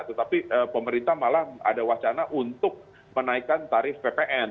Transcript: tetapi pemerintah malah ada wacana untuk menaikkan tarif ppn